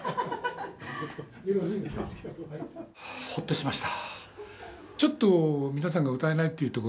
ほっとしました。